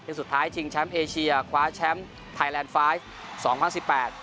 เป็นสุดท้ายชิงแชมป์เอเชียคว้าแชมป์ไทยแลนด์ไฟล์สองพันสิบแปด